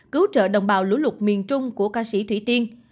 cứu trợ đồng bào lũ lụt miền trung của ca sĩ thủy tiên